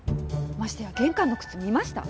ましてや玄関の靴見ました？